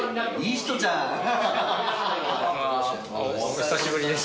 お久しぶりです。